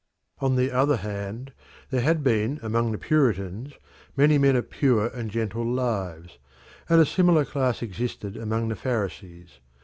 On the other hand, there had been among the Puritans many men of pure and gentle lives, and a similar class existed among the Pharisees.